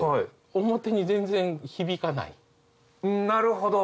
なるほど！